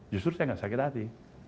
justru saya nggak sakit hati